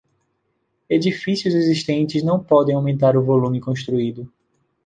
Edifícios existentes não podem aumentar o volume construído.